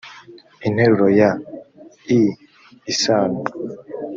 interuro ya iii isano